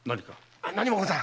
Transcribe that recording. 何もござらん！